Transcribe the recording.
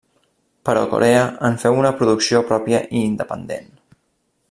Però Corea en feu una producció pròpia i independent.